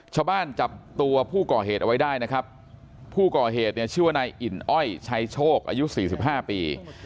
ชาวบ้านจับตัวผู้ก่อเหตุเอาไว้ได้นะครับผู้ก่อเหตุชื่อว่านายอิ่นอ้อยชัยโชคอายุ๔๕ปี